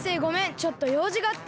ちょっとようじがあって。